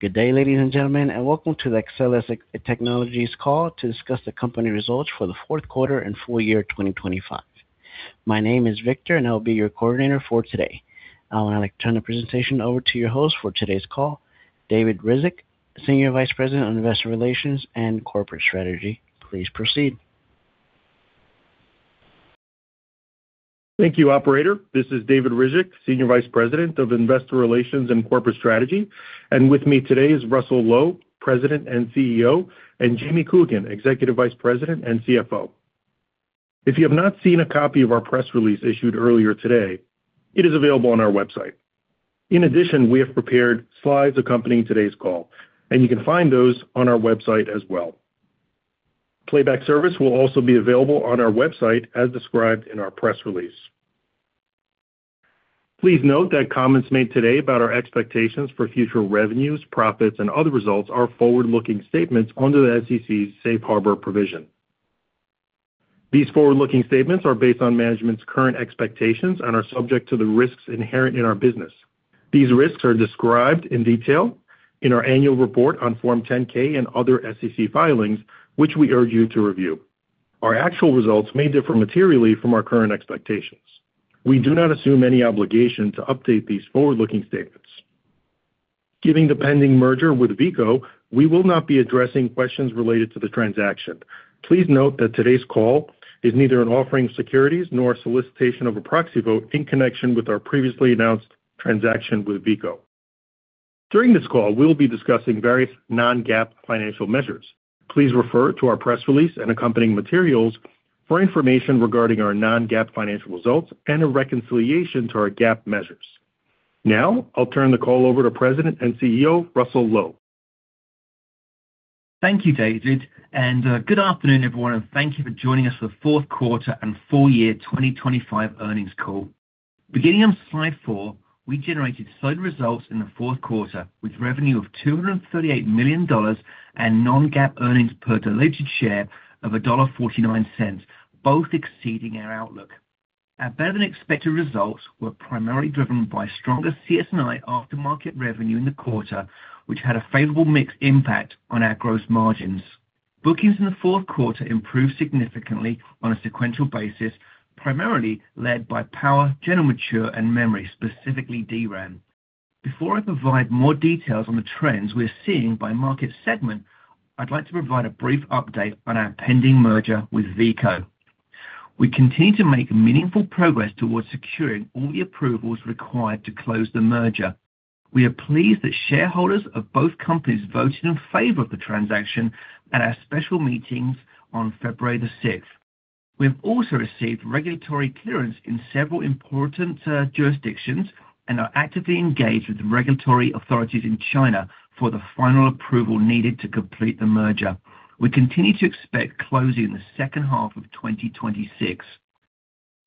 Good day, ladies and gentlemen, and welcome to the Axcelis Technologies Call to discuss the company Results for the Fourth Quarter and Full Year 2025. My name is Victor, and I'll be your coordinator for today. I'd like to turn the presentation over to your host for today's call, David Ryzhik, Senior Vice President of Investor Relations and Corporate Strategy. Please proceed. Thank you, operator. This is David Ryzhik, Senior Vice President of Investor Relations and Corporate Strategy, and with me today is Russell Low, President and CEO, and Jamie Coogan, Executive Vice President and CFO. If you have not seen a copy of our press release issued earlier today, it is available on our website. In addition, we have prepared slides accompanying today's call, and you can find those on our website as well. Playback service will also be available on our website, as described in our press release. Please note that comments made today about our expectations for future revenues, profits, and other results are forward-looking statements under the SEC's Safe Harbor Provision. These forward-looking statements are based on management's current expectations and are subject to the risks inherent in our business. These risks are described in detail in our annual report on Form 10-K and other SEC filings, which we urge you to review. Our actual results may differ materially from our current expectations. We do not assume any obligation to update these forward-looking statements. Given the pending merger with Veeco, we will not be addressing questions related to the transaction. Please note that today's call is neither an offering of securities nor a solicitation of a proxy vote in connection with our previously announced transaction with Veeco. During this call, we will be discussing various non-GAAP financial measures. Please refer to our press release and accompanying materials for information regarding our non-GAAP financial results and a reconciliation to our GAAP measures. Now, I'll turn the call over to President and CEO, Russell Low. Thank you, David, and, good afternoon, everyone, and thank you for joining us for the fourth quarter and full year 2025 earnings call. Beginning on Slide four, we generated solid results in the fourth quarter, with revenue of $238 million and non-GAAP earnings per diluted share of $1.49, both exceeding our outlook. Our better-than-expected results were primarily driven by stronger CS&I aftermarket revenue in the quarter, which had a favorable mix impact on our gross margins. Bookings in the fourth quarter improved significantly on a sequential basis, primarily led by power, general mature, and memory, specifically DRAM. Before I provide more details on the trends we're seeing by market segment, I'd like to provide a brief update on our pending merger with Veeco. We continue to make meaningful progress towards securing all the approvals required to close the merger. We are pleased that shareholders of both companies voted in favor of the transaction at our special meetings on February the 6th. We have also received regulatory clearance in several important jurisdictions and are actively engaged with the regulatory authorities in China for the final approval needed to complete the merger. We continue to expect closing in the second half of 2026.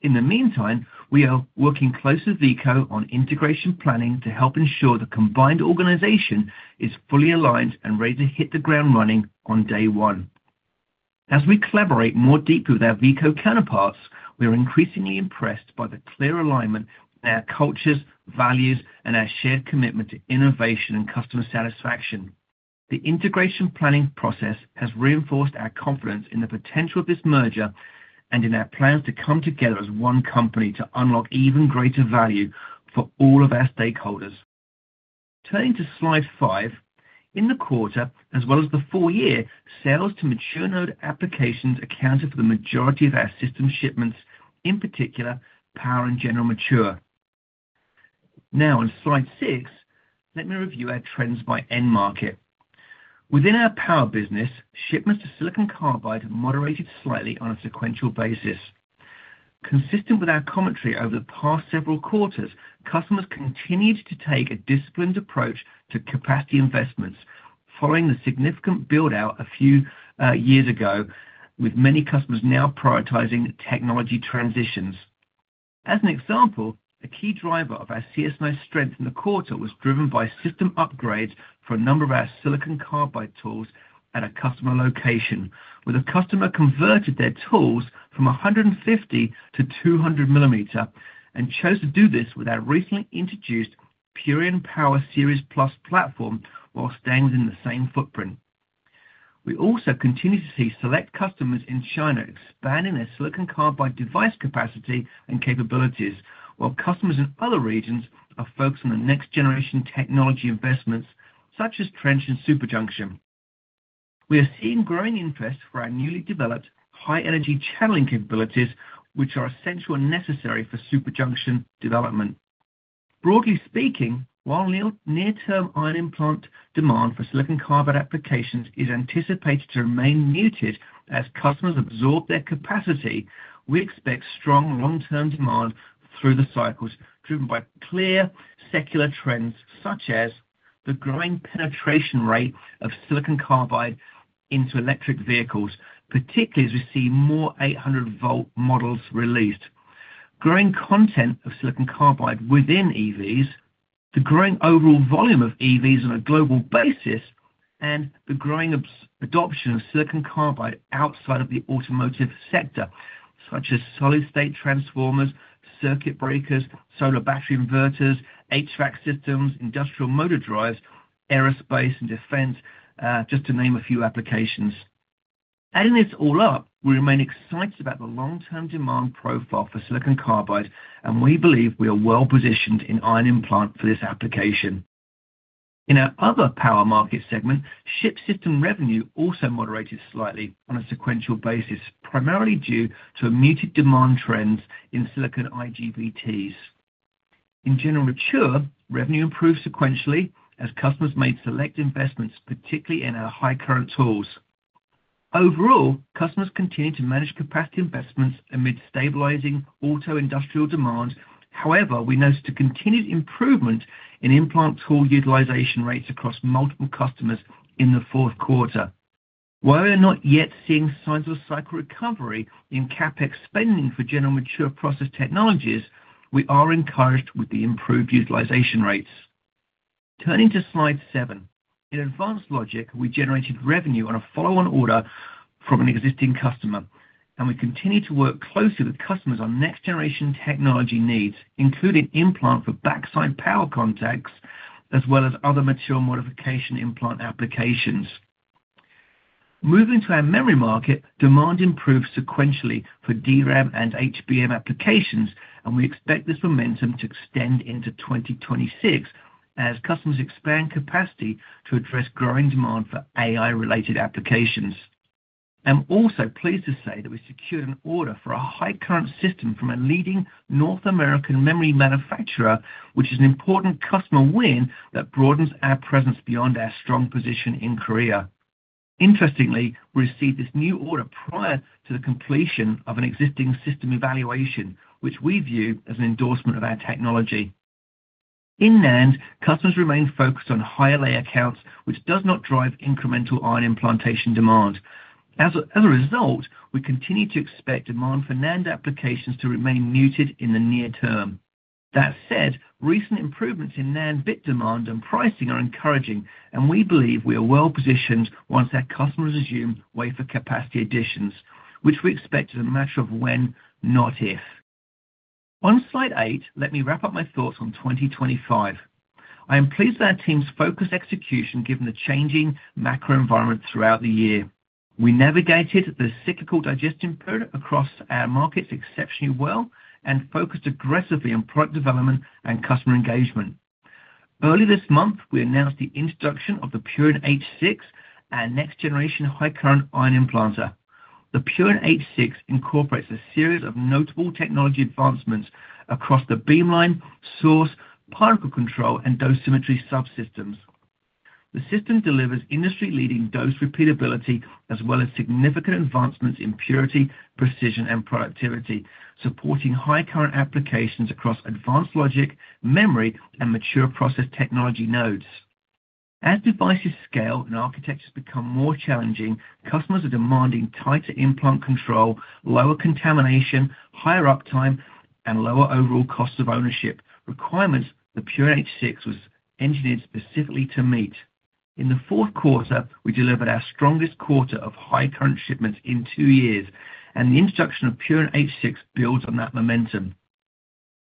In the meantime, we are working close with Veeco on integration planning to help ensure the combined organization is fully aligned and ready to hit the ground running on day one. As we collaborate more deeply with our Veeco counterparts, we are increasingly impressed by the clear alignment, our cultures, values, and our shared commitment to innovation and customer satisfaction. The integration planning process has reinforced our confidence in the potential of this merger and in our plans to come together as one company to unlock even greater value for all of our stakeholders. Turning to Slide five. In the quarter, as well as the full year, sales to mature node applications accounted for the majority of our system shipments, in particular, power and general mature. Now, on Slide six, let me review our trends by end market. Within our power business, shipments to silicon carbide moderated slightly on a sequential basis. Consistent with our commentary over the past several quarters, customers continued to take a disciplined approach to capacity investments following the significant build-out a few years ago, with many customers now prioritizing technology transitions. As an example, a key driver of our CS&I strength in the quarter was driven by system upgrades for a number of our silicon carbide tools at a customer location, where the customer converted their tools from 150 to 200 millimeters and chose to do this with our recently introduced Purion Power Series+ platform, while staying within the same footprint. We also continue to see select customers in China expanding their silicon carbide device capacity and capabilities, while customers in other regions are focused on the next-generation technology investments, such as trench and superjunction. We are seeing growing interest for our newly developed high-energy channeling capabilities, which are essential and necessary for superjunction development. Broadly speaking, while near-term ion implant demand for silicon carbide applications is anticipated to remain muted as customers absorb their capacity, we expect strong long-term demand through the cycles, driven by clear secular trends, such as the growing penetration rate of silicon carbide into electric vehicles, particularly as we see more 800-volt models released. Growing content of silicon carbide within EVs, the growing overall volume of EVs on a global basis, and the growing adoption of silicon carbide outside of the automotive sector, such as solid-state transformers, circuit breakers, solar battery inverters, HVAC systems, industrial motor drives, aerospace and defense, just to name a few applications. Adding this all up, we remain excited about the long-term demand profile for silicon carbide, and we believe we are well-positioned in ion implant for this application. In our other power market segment, SiC system revenue also moderated slightly on a sequential basis, primarily due to a muted demand trends in silicon IGBTs. In general mature, revenue improved sequentially as customers made select investments, particularly in our high current tools. Overall, customers continue to manage capacity investments amid stabilizing auto industrial demand. However, we noticed a continued improvement in implant tool utilization rates across multiple customers in the fourth quarter. While we are not yet seeing signs of cycle recovery in CapEx spending for general mature process technologies, we are encouraged with the improved utilization rates. Turning to Slide seven. In advanced logic, we generated revenue on a follow-on order from an existing customer, and we continue to work closely with customers on next-generation technology needs, including implant for backside power contacts, as well as other mature modification implant applications. Moving to our memory market, demand improved sequentially for DRAM and HBM applications, and we expect this momentum to extend into 2026 as customers expand capacity to address growing demand for AI-related applications. I'm also pleased to say that we secured an order for a high current system from a leading North American memory manufacturer, which is an important customer win that broadens our presence beyond our strong position in Korea. Interestingly, we received this new order prior to the completion of an existing system evaluation, which we view as an endorsement of our technology. In NAND, customers remain focused on higher layer counts, which does not drive incremental ion implantation demand. As a result, we continue to expect demand for NAND applications to remain muted in the near term. That said, recent improvements in NAND bit demand and pricing are encouraging, and we believe we are well-positioned once our customers resume wafer capacity additions, which we expect as a matter of when, not if. On Slide eight, let me wrap up my thoughts on 2025. I am pleased with our team's focused execution, given the changing macro environment throughout the year. We navigated the cyclical digestion period across our markets exceptionally well and focused aggressively on product development and customer engagement. Early this month, we announced the introduction of the Purion H6, our next generation high current ion implanter. The Purion H6 incorporates a series of notable technology advancements across the beamline, source, particle control, and dosimetry subsystems. The system delivers industry-leading dose repeatability as well as significant advancements in purity, precision, and productivity, supporting high current applications across advanced logic, memory, and mature process technology nodes. As devices scale and architectures become more challenging, customers are demanding tighter implant control, lower contamination, higher uptime, and lower overall costs of ownership, requirements the Purion H6 was engineered specifically to meet. In the fourth quarter, we delivered our strongest quarter of high current shipments in two years, and the introduction of Purion H6 builds on that momentum.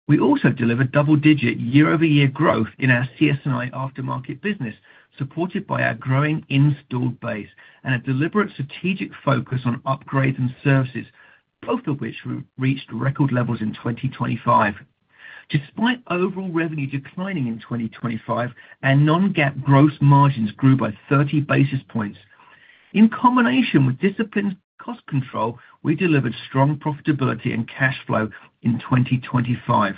We also delivered double-digit year-over-year growth in our CS&I aftermarket business, supported by our growing installed base and a deliberate strategic focus on upgrades and services, both of which we reached record levels in 2025. Despite overall revenue declining in 2025, our non-GAAP gross margins grew by 30 basis points. In combination with disciplined cost control, we delivered strong profitability and cash flow in 2025.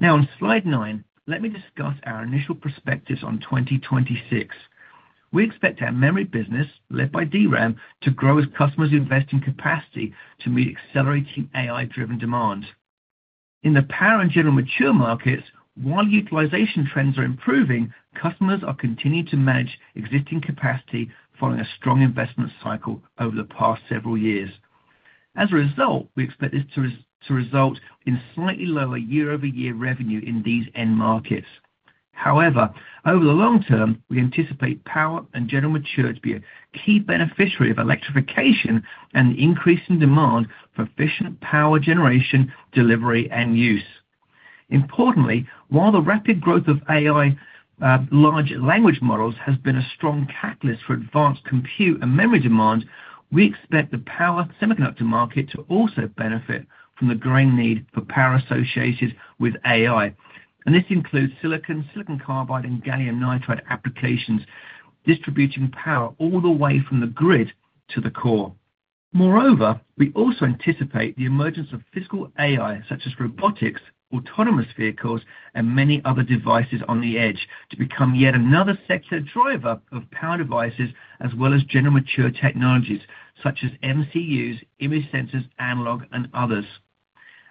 Now, on Slide nine, let me discuss our initial perspectives on 2026. We expect our memory business, led by DRAM, to grow as customers invest in capacity to meet accelerating AI-driven demand. In the power and general mature markets, while utilization trends are improving, customers are continuing to manage existing capacity following a strong investment cycle over the past several years. As a result, we expect this to result in slightly lower year-over-year revenue in these end markets. However, over the long term, we anticipate power and general mature to be a key beneficiary of electrification and increase in demand for efficient power generation, delivery, and use. Importantly, while the rapid growth of AI, large language models has been a strong catalyst for advanced compute and memory demand, we expect the power semiconductor market to also benefit from the growing need for power associated with AI, and this includes silicon, silicon carbide, and gallium nitride applications, distributing power all the way from the grid to the core. Moreover, we also anticipate the emergence of physical AI, such as robotics, autonomous vehicles, and many other devices on the edge, to become yet another sector driver of power devices as well as general mature technologies such as MCUs, image sensors, analog, and others.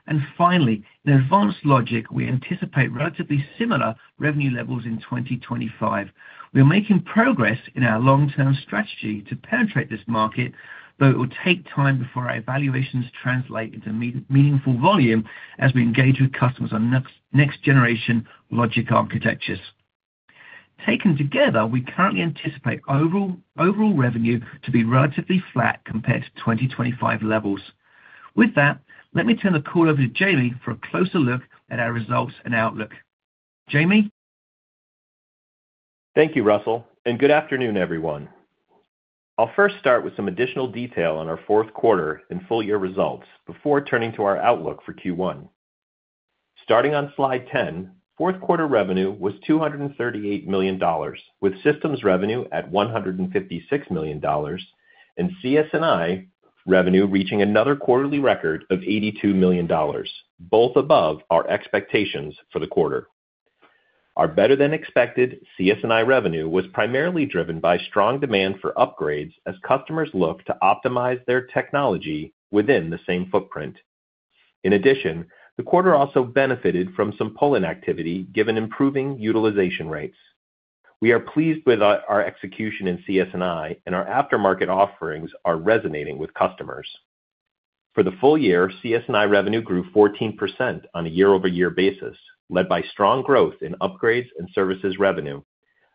And finally, in advanced logic, we anticipate relatively similar revenue levels in 2025. We are making progress in our long-term strategy to penetrate this market, though it will take time before our evaluations translate into meaningful volume as we engage with customers on next generation logic architectures. Taken together, we currently anticipate overall revenue to be relatively flat compared to 2025 levels. With that, let me turn the call over to Jamie for a closer look at our results and outlook. Jamie? Thank you, Russell, and good afternoon, everyone. I'll first start with some additional detail on our fourth quarter and full year results before turning to our outlook for Q1. Starting on Slide 10, fourth quarter revenue was $238 million, with systems revenue at $156 million, and CS&I revenue reaching another quarterly record of $82 million, both above our expectations for the quarter. Our better-than-expected CS&I revenue was primarily driven by strong demand for upgrades as customers look to optimize their technology within the same footprint. In addition, the quarter also benefited from some pull-in activity, given improving utilization rates. We are pleased with our execution in CS&I, and our aftermarket offerings are resonating with customers. For the full year, CS&I revenue grew 14% on a year-over-year basis, led by strong growth in upgrades and services revenue.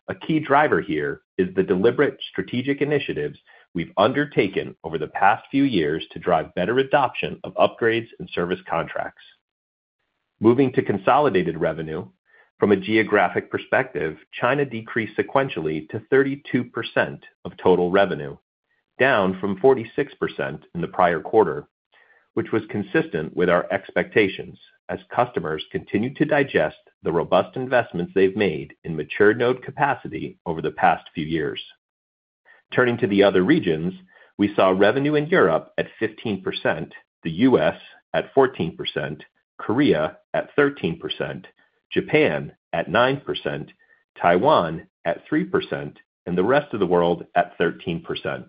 A key driver here is the deliberate strategic initiatives we've undertaken over the past few years to drive better adoption of upgrades and service contracts. Moving to consolidated revenue, from a geographic perspective, China decreased sequentially to 32% of total revenue, down from 46% in the prior quarter, which was consistent with our expectations as customers continued to digest the robust investments they've made in mature node capacity over the past few years. Turning to the other regions, we saw revenue in Europe at 15%, the U.S. at 14%, Korea at 13%, Japan at 9%, Taiwan at 3%, and the rest of the world at 13%.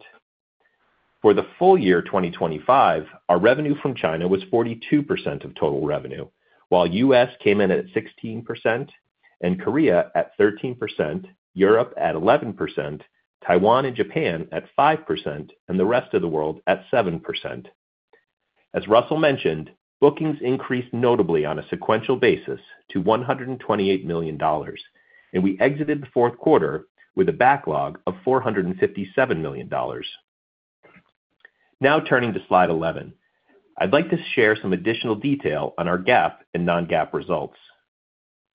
For the full year 2025, our revenue from China was 42% of total revenue, while U.S. came in at 16% and Korea at 13%, Europe at 11%, Taiwan and Japan at 5%, and the rest of the world at 7%. As Russell mentioned, bookings increased notably on a sequential basis to $128 million, and we exited the fourth quarter with a backlog of $457 million. Now, turning to Slide 11. I'd like to share some additional detail on our GAAP and non-GAAP results.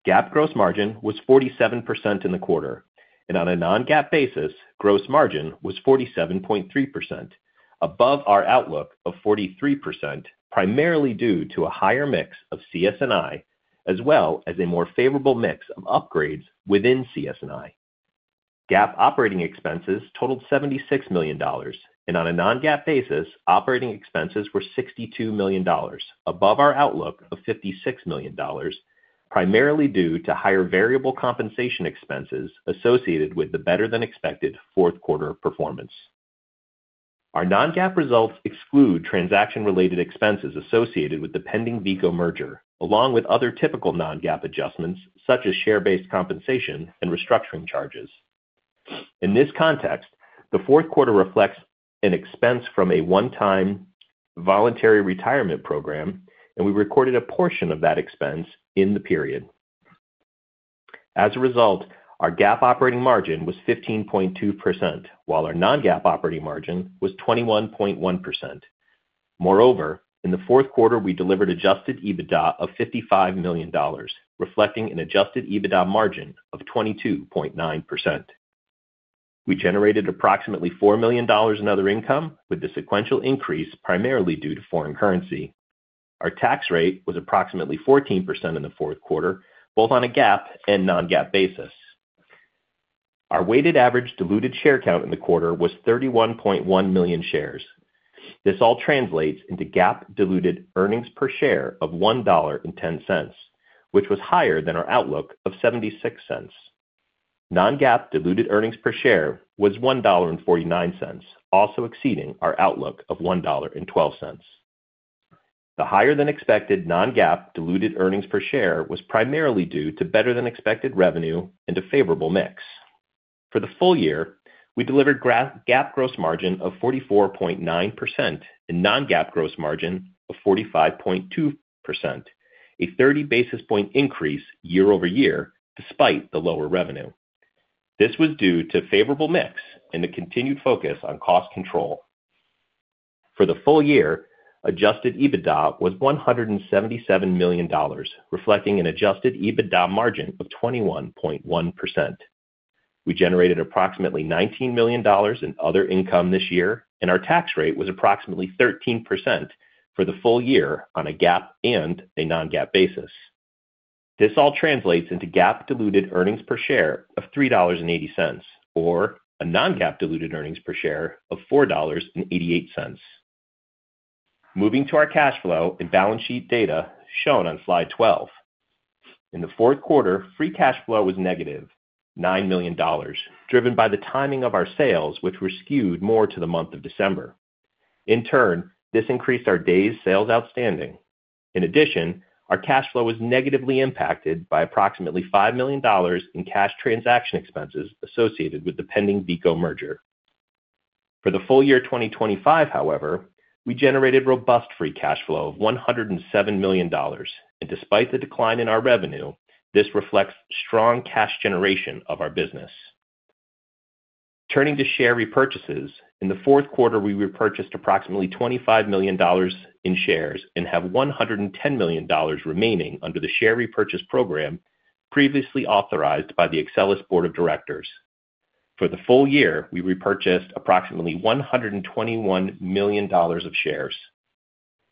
GAAP gross margin was 47% in the quarter, and on a non-GAAP basis, gross margin was 47.3%, above our outlook of 43%, primarily due to a higher mix of CS&I, as well as a more favorable mix of upgrades within CS&I. GAAP operating expenses totaled $76 million, and on a non-GAAP basis, operating expenses were $62 million, above our outlook of $56 million, primarily due to higher variable compensation expenses associated with the better-than-expected fourth quarter performance. Our non-GAAP results exclude transaction-related expenses associated with the pending Veeco merger, along with other typical non-GAAP adjustments, such as share-based compensation and restructuring charges. In this context, the fourth quarter reflects an expense from a one-time voluntary retirement program, and we recorded a portion of that expense in the period. As a result, our GAAP operating margin was 15.2%, while our non-GAAP operating margin was 21.1%. Moreover, in the fourth quarter, we delivered Adjusted EBITDA of $55 million, reflecting an Adjusted EBITDA margin of 22.9%. We generated approximately $4 million in other income, with the sequential increase primarily due to foreign currency. Our tax rate was approximately 14% in the fourth quarter, both on a GAAP and non-GAAP basis. Our weighted average diluted share count in the quarter was 31.1 million shares. This all translates into GAAP diluted earnings per share of $1.10, which was higher than our outlook of $0.76. Non-GAAP diluted earnings per share was $1.49, also exceeding our outlook of $1.12. The higher-than-expected non-GAAP diluted earnings per share was primarily due to better-than-expected revenue and a favorable mix. For the full year, we delivered GAAP gross margin of 44.9% and non-GAAP gross margin of 45.2%, a 30 basis point increase year-over-year despite the lower revenue. This was due to favorable mix and a continued focus on cost control. For the full year, adjusted EBITDA was $177 million, reflecting an adjusted EBITDA margin of 21.1%. We generated approximately $19 million in other income this year, and our tax rate was approximately 13% for the full year on a GAAP and a non-GAAP basis. This all translates into GAAP diluted earnings per share of $3.80, or a non-GAAP diluted earnings per share of $4.88. Moving to our cash flow and balance sheet data shown on Slide 12. In the fourth quarter, free cash flow was -$9 million, driven by the timing of our sales, which were skewed more to the month of December. In turn, this increased our days' sales outstanding. In addition, our cash flow was negatively impacted by approximately $5 million in cash transaction expenses associated with the pending Veeco merger. For the full year 2025, however, we generated robust free cash flow of $107 million. Despite the decline in our revenue, this reflects strong cash generation of our business. Turning to share repurchases, in the fourth quarter, we repurchased approximately $25 million in shares and have $110 million remaining under the share repurchase program previously authorized by the Axcelis board of directors. For the full year, we repurchased approximately $121 million of shares.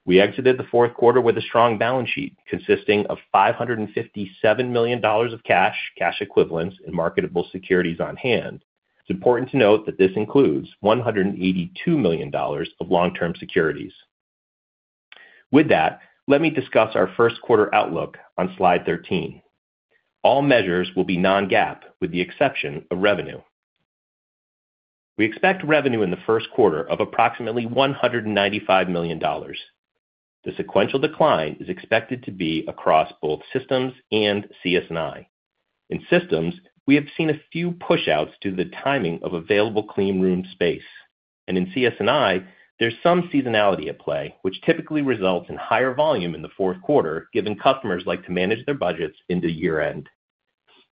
We exited the fourth quarter with a strong balance sheet consisting of $557 million of cash, cash equivalents, and marketable securities on hand. It's important to note that this includes $182 million of long-term securities. With that, let me discuss our first quarter outlook on Slide 13. All measures will be non-GAAP, with the exception of revenue. We expect revenue in the first quarter of approximately $195 million. The sequential decline is expected to be across both systems and CS&I. In systems, we have seen a few pushouts due to the timing of available cleanroom space. And in CS&I, there's some seasonality at play, which typically results in higher volume in the fourth quarter, given customers like to manage their budgets into year-end.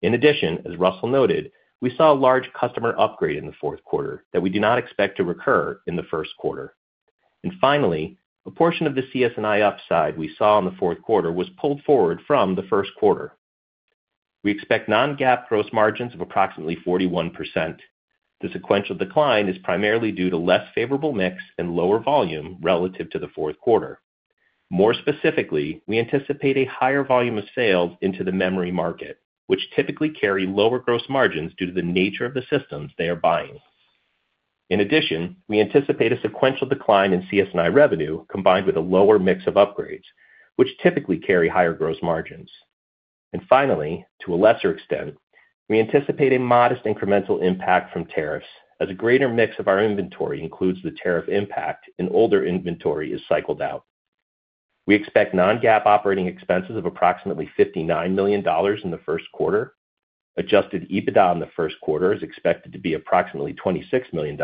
In addition, as Russell noted, we saw a large customer upgrade in the fourth quarter that we do not expect to recur in the first quarter. Finally, a portion of the CS&I upside we saw in the fourth quarter was pulled forward from the first quarter. We expect Non-GAAP gross margins of approximately 41%. The sequential decline is primarily due to less favorable mix and lower volume relative to the fourth quarter. More specifically, we anticipate a higher volume of sales into the memory market, which typically carry lower gross margins due to the nature of the systems they are buying. In addition, we anticipate a sequential decline in CS&I revenue, combined with a lower mix of upgrades, which typically carry higher gross margins. Finally, to a lesser extent, we anticipate a modest incremental impact from tariffs as a greater mix of our inventory includes the tariff impact, and older inventory is cycled out. We expect Non-GAAP operating expenses of approximately $59 million in the first quarter. Adjusted EBITDA in the first quarter is expected to be approximately $26 million.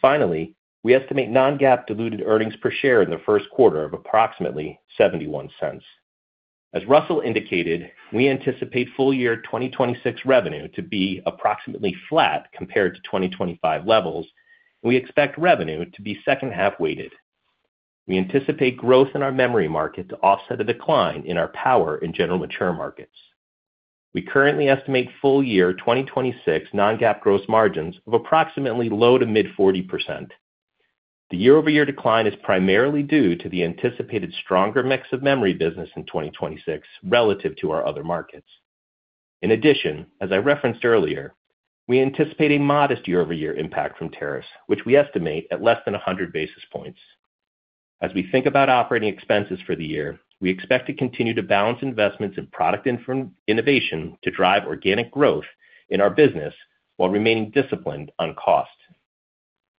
Finally, we estimate non-GAAP diluted earnings per share in the first quarter of approximately $0.71. As Russell indicated, we anticipate full year 2026 revenue to be approximately flat compared to 2025 levels, we expect revenue to be second half weighted. We anticipate growth in our memory market to offset a decline in our power in general mature markets. We currently estimate full year 2026 non-GAAP gross margins of approximately low-to-mid 40%. The year-over-year decline is primarily due to the anticipated stronger mix of memory business in 2026 relative to our other markets. In addition, as I referenced earlier, we anticipate a modest year-over-year impact from tariffs, which we estimate at less than 100 basis points. As we think about operating expenses for the year, we expect to continue to balance investments in product innovation to drive organic growth in our business while remaining disciplined on cost.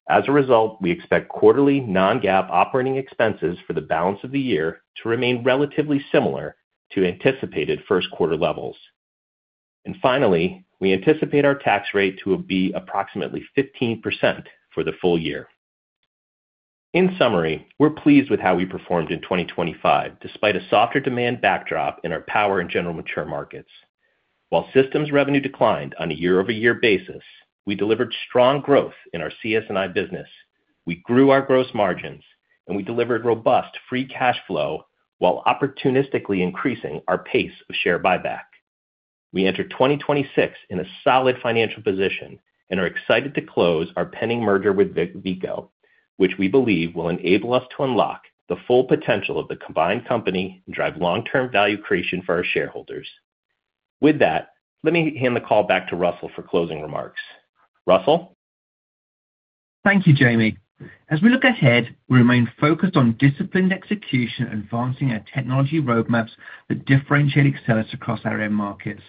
As a result, we expect quarterly non-GAAP operating expenses for the balance of the year to remain relatively similar to anticipated first quarter levels. Finally, we anticipate our tax rate to be approximately 15% for the full year. In summary, we're pleased with how we performed in 2025, despite a softer demand backdrop in our power and general mature markets. While systems revenue declined on a year-over-year basis, we delivered strong growth in our CS&I business. We grew our gross margins, and we delivered robust free cash flow while opportunistically increasing our pace of share buyback. We enter 2026 in a solid financial position and are excited to close our pending merger with Veeco, which we believe will enable us to unlock the full potential of the combined company and drive long-term value creation for our shareholders. With that, let me hand the call back to Russell for closing remarks. Russell? Thank you, Jamie. As we look ahead, we remain focused on disciplined execution and advancing our technology roadmaps that differentiate Axcelis across our end markets.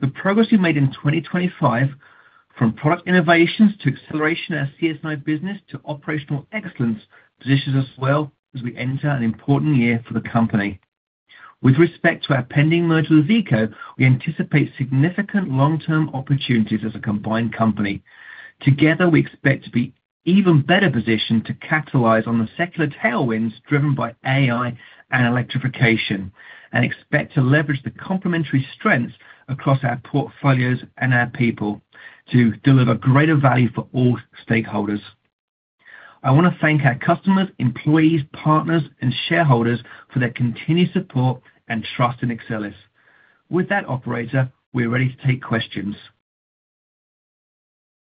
The progress we made in 2025, from product innovations to acceleration of our CS&I business to operational excellence, positions us well as we enter an important year for the company. With respect to our pending merger with Veeco, we anticipate significant long-term opportunities as a combined company. Together, we expect to be even better positioned to capitalize on the secular tailwinds driven by AI and electrification, and expect to leverage the complementary strengths across our portfolios and our people to deliver greater value for all stakeholders. I want to thank our customers, employees, partners, and shareholders for their continued support and trust in Axcelis. With that, operator, we're ready to take questions.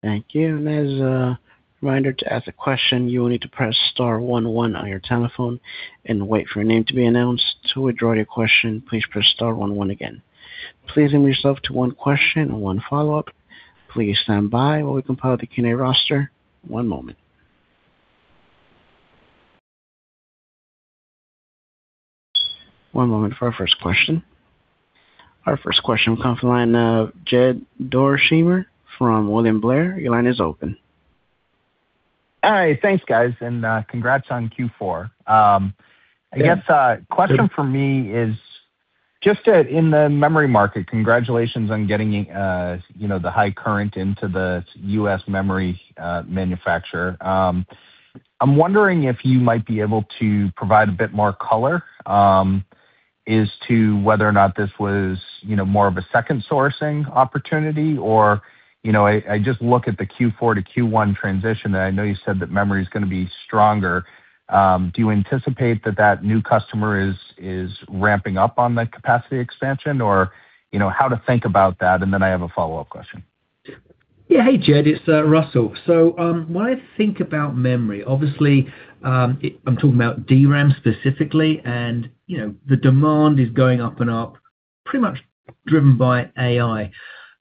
Thank you. And as a reminder, to ask a question, you will need to press star one one on your telephone and wait for your name to be announced. To withdraw your question, please press star one one again. Please limit yourself to one question and one follow-up. Please stand by while we compile the Q&A roster. One moment. One moment for our first question. Our first question will come from the line of Jed Dorsheimer from William Blair. Your line is open. Hi, thanks, guys, and congrats on Q4. I guess question for me is just in the memory market, congratulations on getting you know, the high current into the U.S. memory manufacturer. I'm wondering if you might be able to provide a bit more color as to whether or not this was you know, more of a second sourcing opportunity or you know, I just look at the Q4 to Q1 transition, and I know you said that memory is gonna be stronger. Do you anticipate that new customer is ramping up on the capacity expansion, or you know, how to think about that? And then I have a follow-up question. Yeah. Hey, Jed, it's Russell. So, when I think about memory, obviously, I'm talking about DRAM specifically, and, you know, the demand is going up and up, pretty much driven by AI.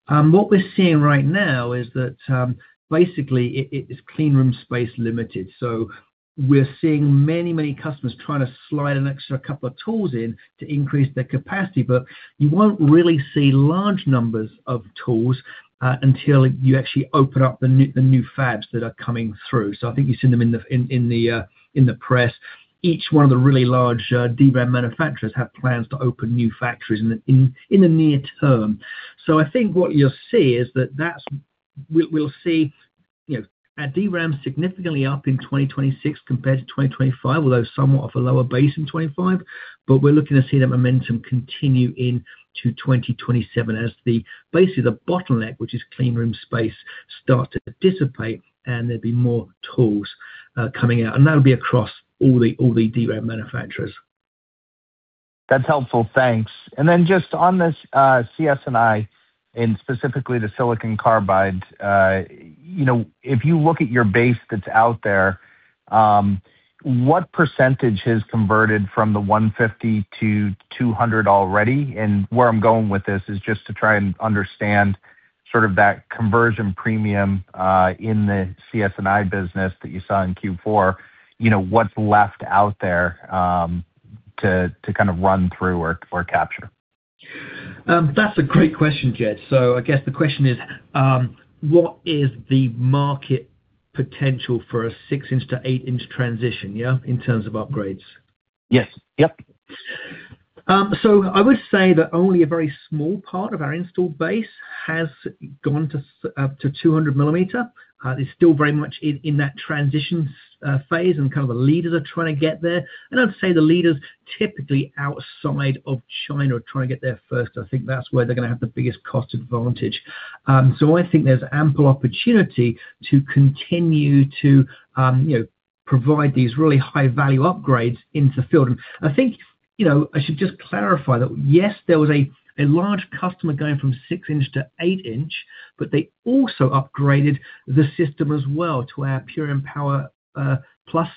What we're seeing right now is that, basically it is cleanroom space limited. So we're seeing many, many customers trying to slide an extra couple of tools in to increase their capacity, but you won't really see large numbers of tools until you actually open up the new fabs that are coming through. So I think you seen them in the press. Each one of the really large DRAM manufacturers have plans to open new factories in the near term. So I think what you'll see is that, we'll see, you know, our DRAM significantly up in 2026 compared to 2025, although somewhat off a lower base in 2025, but we're looking to see that momentum continue into 2027 as the, basically the bottleneck, which is cleanroom space, start to dissipate and there'll be more tools coming out, and that'll be across all the, all the DRAM manufacturers. That's helpful. Thanks. And then just on this, CS&I, and specifically the silicon carbide, you know, if you look at your base that's out there, what percentage has converted from the 150 to 200 already? And where I'm going with this is just to try and understand sort of that conversion premium, in the CS&I business that you saw in Q4. You know, what's left out there, to kind of run through or capture? That's a great question, Jed. So I guess the question is, what is the market potential for a 6-inch to 8-inch transition, yeah, in terms of upgrades? Yes. So I would say that only a very small part of our installed base has gone to 200 millimeter. It's still very much in that transition phase, and kind of the leaders are trying to get there. And I'd say, the leaders, typically outside of China, are trying to get there first. I think that's where they're gonna have the biggest cost advantage. So I think there's ample opportunity to continue to, you know, provide these really high-value upgrades into field. I think, you know, I should just clarify that, yes, there was a large customer going from 6-inch to 8-inch, but they also upgraded the system as well to our Purion Power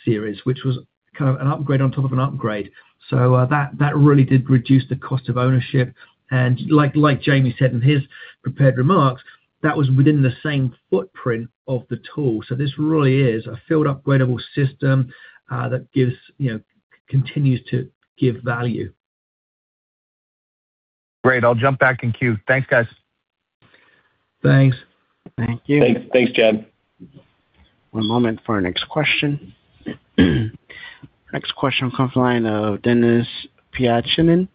Series+, which was kind of an upgrade on top of an upgrade. So, that really did reduce the cost of ownership, and like Jamie said in his prepared remarks, that was within the same footprint of the tool. So this really is a field upgradable system that, you know, continues to give value. Great. I'll jump back in queue. Thanks, guys. Thanks. Thank you. Thanks. Thanks, Jed. One moment for our next question. Next question comes from the line of Denis Pyatchanin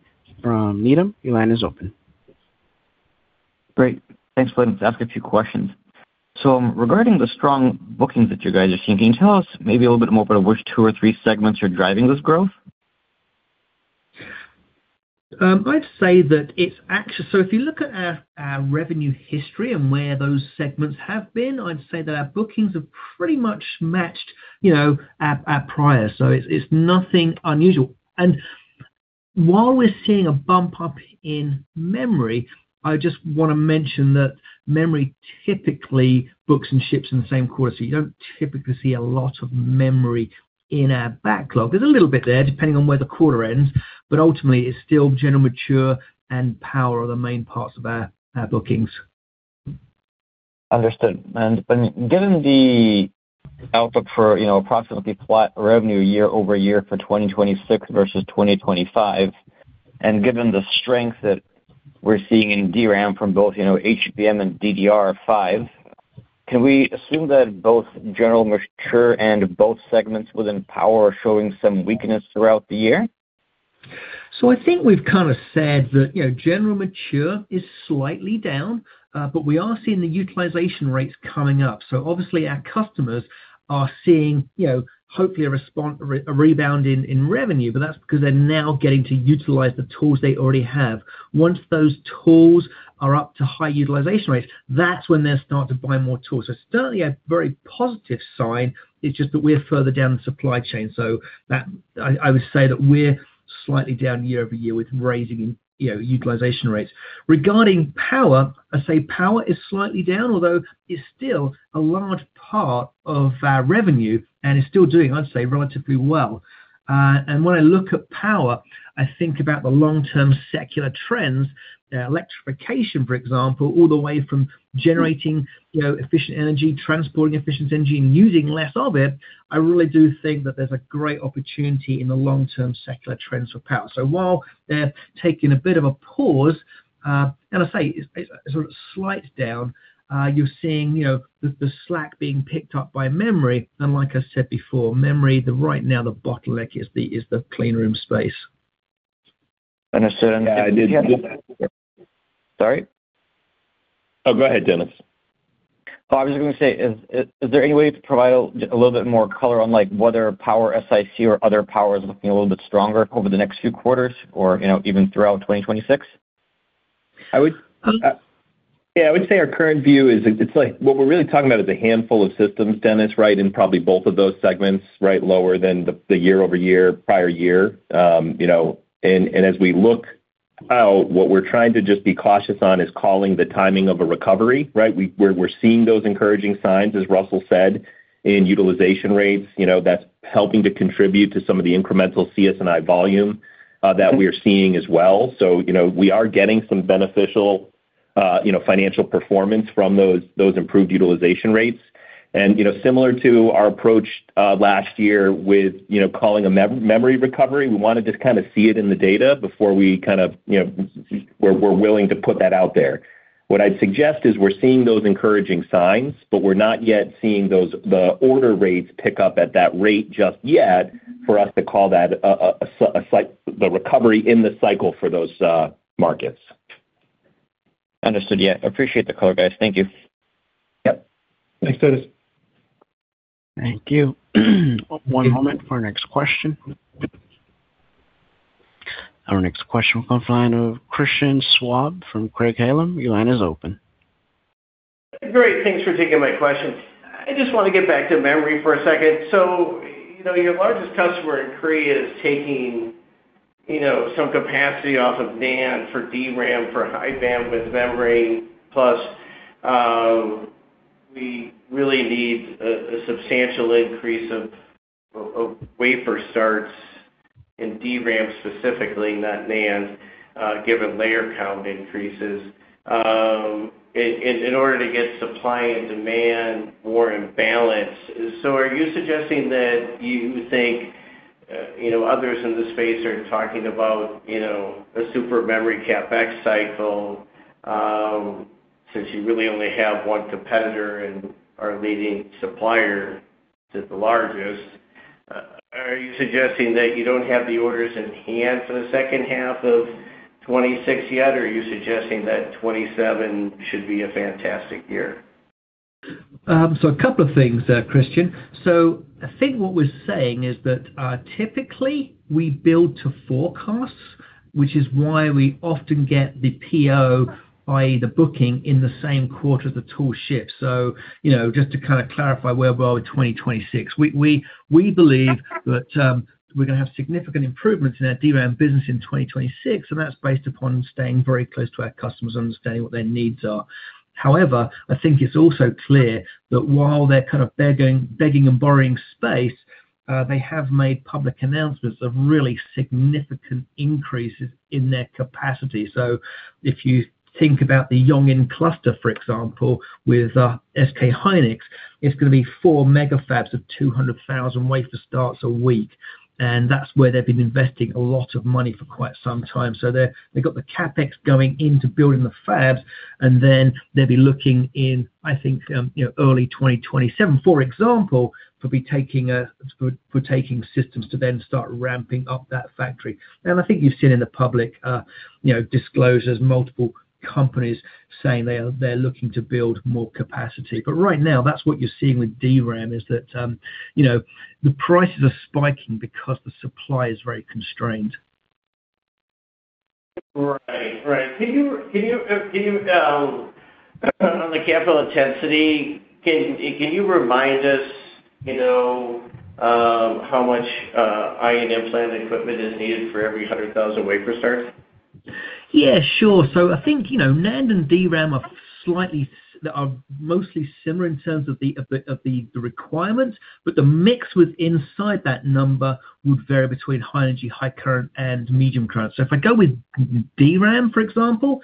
from Needham. Your line is open. Great. Thanks. Let me ask a few questions. So regarding the strong bookings that you guys are seeing, can you tell us maybe a little bit more about which two or three segments are driving this growth? I'd say that it's actually, so if you look at our revenue history and where those segments have been, I'd say that our bookings have pretty much matched, you know, at prior, so it's nothing unusual. And while we're seeing a bump up in memory, I just wanna mention that memory typically books and ships in the same quarter, so you don't typically see a lot of memory in our backlog. There's a little bit there, depending on where the quarter ends, but ultimately it's still general mature and power are the main parts of our bookings. Understood. And given the output for, you know, approximately flat revenue year-over-year for 2026 versus 2025, and given the strength that we're seeing in DRAM from both, you know, HBM and DDR5, can we assume that both general mature and both segments within power are showing some weakness throughout the year? So I think we've kind of said that, you know, general mature is slightly down, but we are seeing the utilization rates coming up. So obviously, our customers are seeing, you know, hopefully a rebound in revenue, but that's because they're now getting to utilize the tools they already have. Once those tools are up to high utilization rates, that's when they'll start to buy more tools. So certainly, a very positive sign. It's just that we're further down the supply chain, so I would say that we're slightly down year over year with rising, you know, utilization rates. Regarding power, I'd say power is slightly down, although it's still a large part of our revenue and is still doing, I'd say, relatively well. And when I look at power, I think about the long-term secular trends, the electrification, for example, all the way from generating, you know, efficient energy, transporting efficient energy, and using less of it. I really do think that there's a great opportunity in the long-term secular trends for power. So while they're taking a bit of a pause, and I say it's a sort of slight down, you're seeing, you know, the slack being picked up by memory, and like I said before, memory, right now, the bottleneck is the cleanroom space. Understood. Sorry? Go ahead, Denis. I was going to say, is there any way to provide a little bit more color on, like, whether power SiC or other power is looking a little bit stronger over the next few quarters or, you know, even throughout 2026? I would. Yeah, I would say our current view is it's like what we're really talking about is a handful of systems, Denis, right? In probably both of those segments, right, lower than the year-over-year prior year. You know, as we look out, what we're trying to just be cautious on is calling the timing of a recovery, right? We're seeing those encouraging signs, as Russell said, in utilization rates. You know, that's helping to contribute to some of the incremental CS&I volume that we are seeing as well. So, you know, we are getting some beneficial, you know, financial performance from those improved utilization rates. You know, similar to our approach last year with you know calling a memory recovery, we want to just kind of see it in the data before we kind of you know we're willing to put that out there. What I'd suggest is we're seeing those encouraging signs, but we're not yet seeing those order rates pick up at that rate just yet for us to call that a slight recovery in the cycle for those markets. Understood. Yeah, appreciate the color, guys. Thank you. Yep. Thanks, Denis. Thank you. One moment for our next question. Our next question will come from the line of Christian Schwab from Craig-Hallum. Your line is open. Great. Thanks for taking my questions. I just want to get back to memory for a second. So, you know, your largest customer in Korea is taking, you know, some capacity off of NAND for DRAM, for high-bandwidth memory, plus, we really need a substantial increase of wafer starts in DRAM specifically, not NAND, given layer count increases, in order to get supply and demand more in balance. So are you suggesting that you think, you know, others in the space are talking about, you know, a super memory CapEx cycle, since you really only have one competitor and our leading supplier is the largest. Are you suggesting that you don't have the orders in hand for the second half of 2026 yet, or are you suggesting that 2027 should be a fantastic year? So a couple of things there, Christian. So I think what we're saying is that, typically we build to forecasts, which is why we often get the PO, i.e., the booking, in the same quarter as the tool ships. So, you know, just to kind of clarify where we are with 2026. We believe that, we're going to have significant improvements in our DRAM business in 2026, and that's based upon staying very close to our customers and understanding what their needs are. However, I think it's also clear that while they're kind of begging and borrowing space, they have made public announcements of really significant increases in their capacity. So if you think about the Yongin cluster, for example, with SK hynix, it's going to be four megafabs of 200,000 wafer starts a week, and that's where they've been investing a lot of money for quite some time. So they're, they've got the CapEx going into building the fabs, and then they'll be looking in, I think, you know, early 2027, for example, to be taking a, for taking systems to then start ramping up that factory. And I think you've seen in the public, you know, disclosures, multiple companies saying they are- they're looking to build more capacity. But right now, that's what you're seeing with DRAM, is that, you know, the prices are spiking because the supply is very constrained. Right. Can you, on the capital intensity, remind us, you know, how much ion implant equipment is needed for every 100,000 wafer starts? Yeah, sure. So I think, you know, NAND and DRAM are slightly, are mostly similar in terms of the requirements, but the mix within that number would vary between high energy, high current, and medium current. So if I go with DRAM, for example,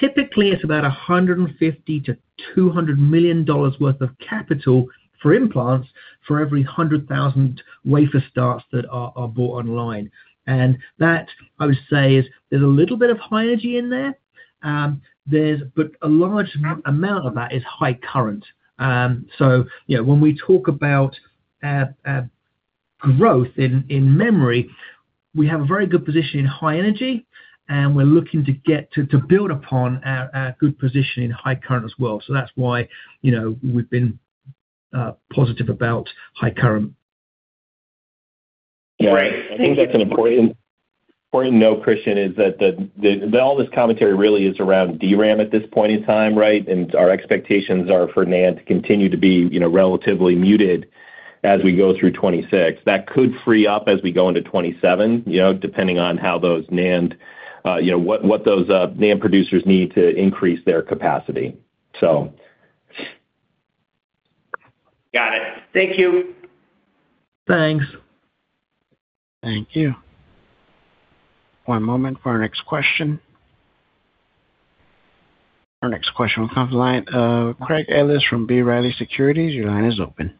typically it's about $150 million-$200 million worth of capital for implants for every 100,000 wafer starts that are bought online. And that, I would say, there's a little bit of high energy in there, but a large amount of that is high current. So, you know, when we talk about our growth in memory, we have a very good position in high energy, and we're looking to build upon our good position in high current as well. So that's why, you know, we've been positive about high current. Right. I think that's an important, important note, Christian, is that all this commentary really is around DRAM at this point in time, right? And our expectations are for NAND to continue to be, you know, relatively muted as we go through 2026. That could free up as we go into 2027, you know, depending on how those NAND, you know, what, what those NAND producers need to increase their capacity. Got it. Thank you. Thanks. Thank you. One moment for our next question. Our next question comes from the line of Craig Ellis from B. Riley Securities. Your line is open.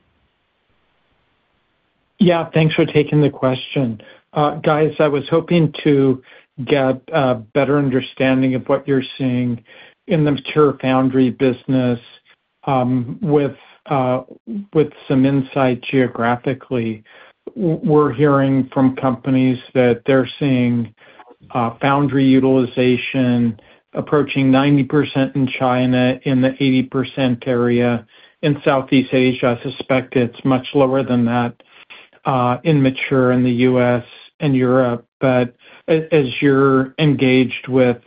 Yeah, thanks for taking the question. Guys, I was hoping to get a better understanding of what you're seeing in the mature foundry business. With some insight geographically, we're hearing from companies that they're seeing foundry utilization approaching 90% in China, in the 80% area in Southeast Asia. I suspect it's much lower than that in mature in the U.S. and Europe. But as you're engaged with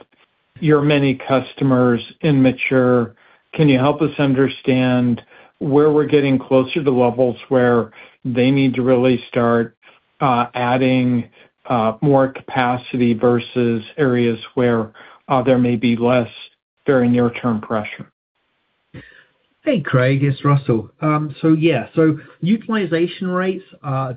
your many customers in mature, can you help us understand where we're getting closer to levels where they need to really start adding more capacity versus areas where there may be less during near-term pressure? Hey, Craig, it's Russell. So yeah, so utilization rates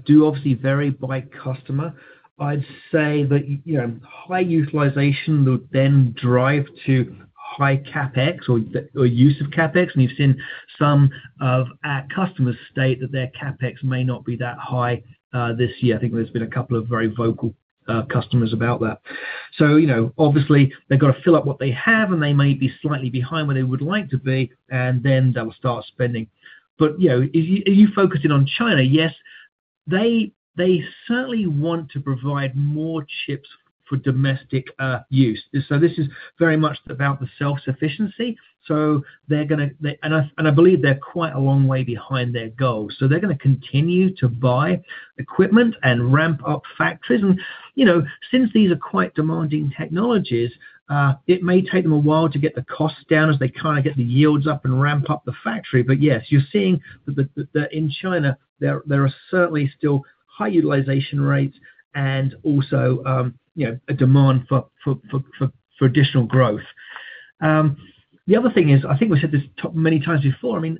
do obviously vary by customer. I'd say that, you know, high utilization would then drive to high CapEx or the, or use of CapEx, and you've seen some of our customers state that their CapEx may not be that high this year. I think there's been a couple of very vocal customers about that. So, you know, obviously, they've got to fill up what they have, and they may be slightly behind where they would like to be, and then they will start spending. But, you know, if you're focusing on China, yes, they certainly want to provide more chips for domestic use. So this is very much about the self-sufficiency. So they're gonna, and I, and I believe they're quite a long way behind their goals. So they're gonna continue to buy equipment and ramp up factories. And, you know, since these are quite demanding technologies, it may take them a while to get the costs down as they kind of get the yields up and ramp up the factory. But yes, you're seeing the in China, there are certainly still high utilization rates and also, you know, a demand for additional growth. The other thing is, I think we said this many times before, I mean,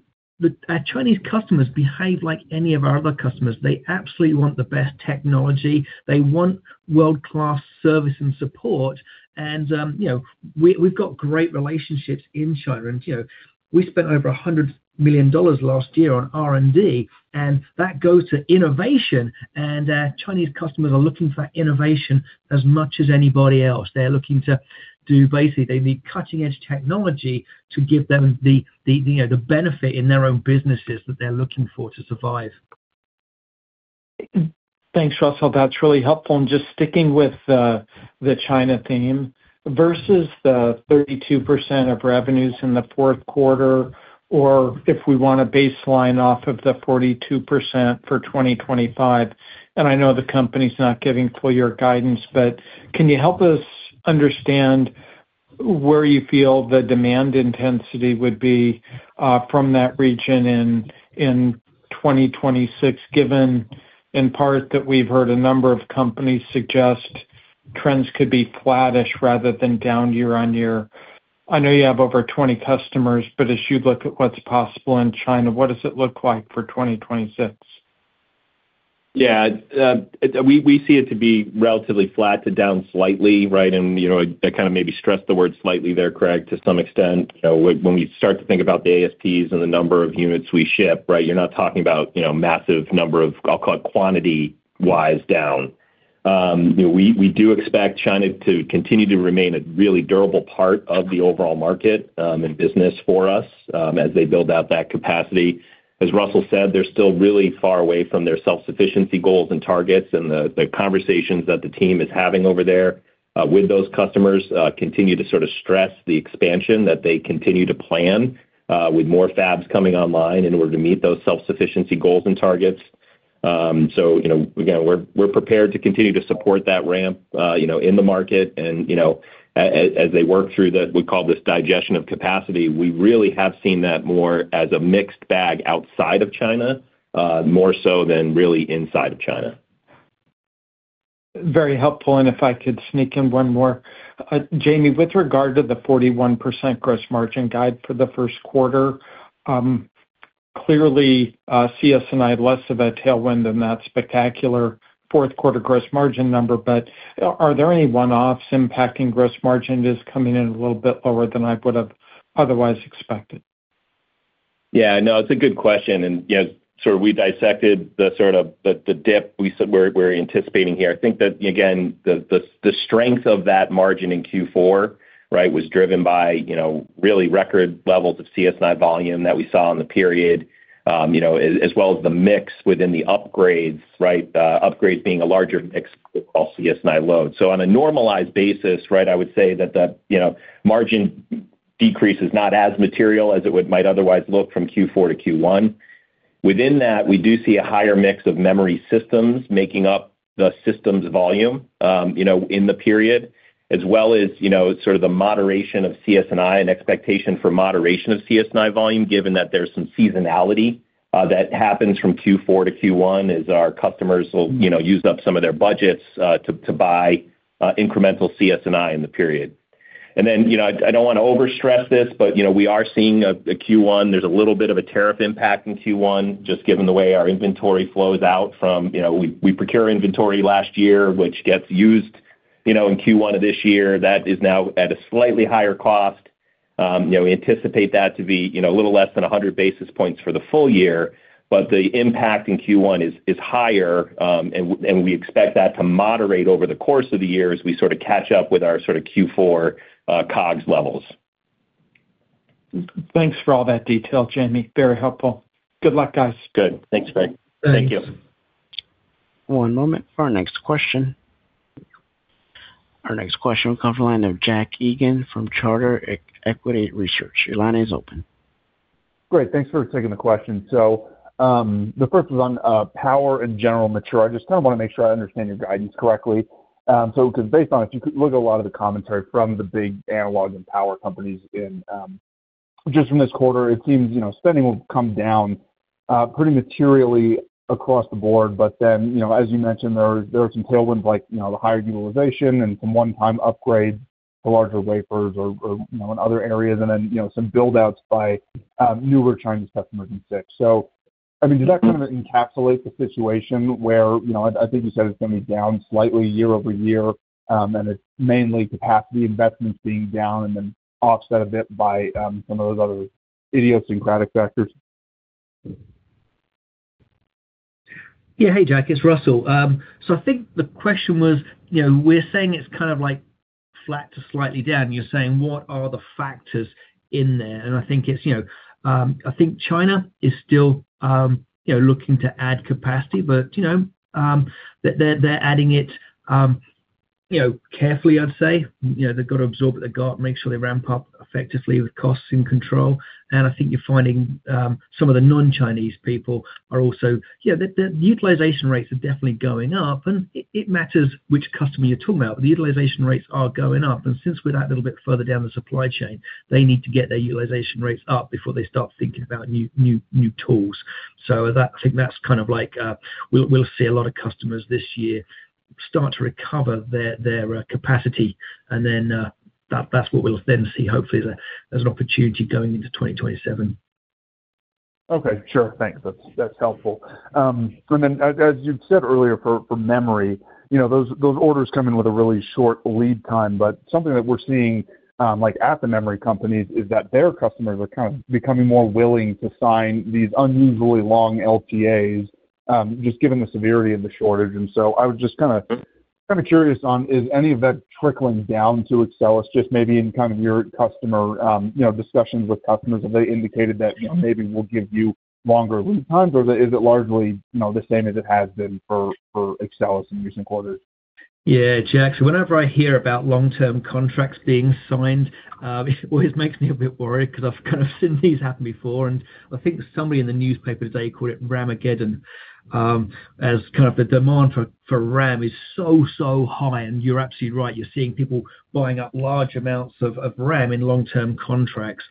our Chinese customers behave like any of our other customers. They absolutely want the best technology. They want world-class service and support, and, you know, we've got great relationships in China. You know, we spent over $100 million last year on R&D, and that goes to innovation, and our Chinese customers are looking for innovation as much as anybody else. They're looking to do, basically, they need cutting-edge technology to give them the, you know, the benefit in their own businesses that they're looking for to survive. Thanks, Russell. That's really helpful. And just sticking with the China theme versus the 32% of revenues in the fourth quarter, or if we want to baseline off of the 42% for 2025, and I know the company's not giving full year guidance, but can you help us understand where you feel the demand intensity would be from that region in 2026, given in part that we've heard a number of companies suggest trends could be flattish rather than down year on year? I know you have over 20 customers, but as you look at what's possible in China, what does it look like for 2026? Yeah, we see it to be relatively flat to down slightly, right? You know, I kind of maybe stress the word slightly there, Craig, to some extent. You know, when we start to think about the ASPs and the number of units we ship, right? You're not talking about, you know, massive number of, I'll call it quantity-wise down. You know, we do expect China to continue to remain a really durable part of the overall market, and business for us, as they build out that capacity. As Russell said, they're still really far away from their self-sufficiency goals and targets, and the conversations that the team is having over there with those customers continue to sort of stress the expansion that they continue to plan with more fabs coming online in order to meet those self-sufficiency goals and targets. So, you know, again, we're prepared to continue to support that ramp, you know, in the market. And, you know, as they work through the, we call this digestion of capacity, we really have seen that more as a mixed bag outside of China, more so than really inside of China. Very helpful, and if I could sneak in one more. Jamie, with regard to the 41% gross margin guide for the first quarter, clearly, CS&I had less of a tailwind than that spectacular fourth quarter gross margin number, but are, are there any one-offs impacting gross margin just coming in a little bit lower than I would have otherwise expected? Yeah, no, it's a good question, and yes, so we dissected the sort of dip we said we're anticipating here. I think that, again, the strength of that margin in Q4, right, was driven by, you know, really record levels of CS&I volume that we saw in the period, you know, as well as the mix within the upgrades, right? Upgrades being a larger mix of CS&I load. So on a normalized basis, right, I would say that the, you know, margin decrease is not as material as it might otherwise look from Q4 to Q1. Within that, we do see a higher mix of memory systems making up the systems volume, you know, in the period, as well as, you know, sort of the moderation of CS&I and expectation for moderation of CS&I volume, given that there's some seasonality, that happens from Q4 to Q1, as our customers will, you know, use up some of their budgets, to buy incremental CS&I in the period. And then, you know, I don't want to overstress this, but, you know, we are seeing a Q1. There's a little bit of a tariff impact in Q1, just given the way our inventory flows out from, you know, we procure inventory last year, which gets used, you know, in Q1 of this year. That is now at a slightly higher cost. You know, we anticipate that to be a little less than 100 basis points for the full year, but the impact in Q1 is higher, and we expect that to moderate over the course of the year as we sort of catch up with our sort of Q4 COGS levels. Thanks for all that detail, Jamie. Very helpful. Good luck, guys. Good. Thanks, Craig. Thank you. One moment for our next question. Our next question will come from the line of Jack Egan from Charter Equity Research. Your line is open. Great. Thanks for taking the question. So, the first is on power and general mature. I just kind of want to make sure I understand your guidance correctly. So because based on if you look at a lot of the commentary from the big analog and power companies in just from this quarter, it seems, you know, spending will come down pretty materially across the board. But then, you know, as you mentioned, there are some tailwinds like, you know, the higher utilization and some one-time upgrades to larger wafers or, you know, in other areas, and then, you know, some build-outs by newer Chinese customers in six. So, I mean, does that kind of encapsulate the situation where, you know, I, I think you said it's going to be down slightly year-over-year, and it's mainly capacity investments being down and then offset a bit by, some of those other idiosyncratic factors? Yeah. Hey, Jack, it's Russell. So I think the question was, you know, we're saying it's kind of like flat to slightly down, you're saying, what are the factors in there? And I think it's, you know, I think China is still, you know, looking to add capacity, but, you know, they're adding it, you know, carefully, I'd say. You know, they've got to absorb what they got, make sure they ramp up effectively with costs in control. And I think you're finding, some of the non-Chinese people are also, yeah, the, the utilization rates are definitely going up, and it, it matters which customer you're talking about. But the utilization rates are going up, and since we're that little bit further down the supply chain, they need to get their utilization rates up before they start thinking about new, new, new tools. So that, I think that's kind of like, we'll see a lot of customers this year start to recover their capacity, and then that's what we'll then see, hopefully, as an opportunity going into 2027. Okay, sure. Thanks. That's helpful. And then as you've said earlier, for memory, you know, those orders come in with a really short lead time, but something that we're seeing, like at the memory companies, is that their customers are kind of becoming more willing to sign these unusually long LTAs, just given the severity of the shortage. And so I was just kinda curious on, is any of that trickling down to Axcelis, just maybe in kind of your customer, you know, discussions with customers, have they indicated that, you know, maybe we'll give you longer lead times, or is it largely, you know, the same as it has been for Axcelis in recent quarters? Yeah, Jack, so whenever I hear about long-term contracts being signed, it always makes me a bit worried because I've kind of seen these happen before, and I think somebody in the newspaper, they call it RAMageddon, as kind of the demand for RAM is so high, and you're absolutely right. You're seeing people buying up large amounts of RAM in long-term contracts.